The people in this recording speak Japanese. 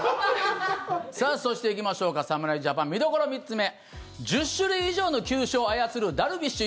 そして、いきましょうか侍ジャパン見どころ３つ目１０種類以上の球種を操るダルビッシュ